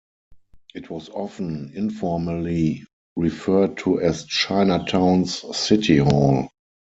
It was often informally referred to as Chinatown's city hall.